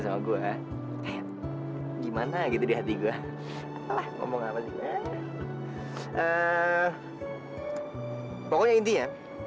apa siapa nama dia